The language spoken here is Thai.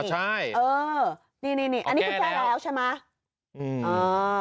ใช่เออนี่อันนี้คือแค่แล้วใช่ไหมอ๋อแค่แล้ว